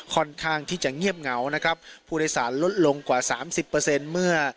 ค่อนข้างที่จะเงียบเหงานะครับผู้โดยสารลดลงกว่าสามสิบเปอร์เซ็นต์เมื่อ